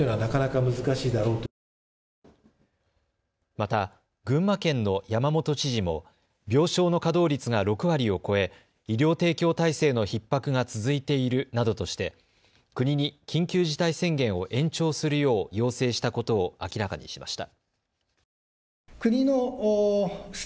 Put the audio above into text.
また、群馬県の山本知事も病床の稼働率が６割を超え医療提供体制のひっ迫が続いているなどとして国に緊急事態宣言を延長するよう要請したことを明らかにしました。